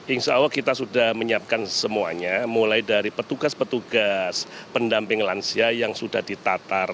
insya allah kita sudah menyiapkan semuanya mulai dari petugas petugas pendamping lansia yang sudah ditatar